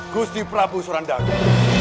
gusti prabu surandaku